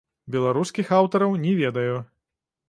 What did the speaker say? Беларускіх аўтараў не ведаю.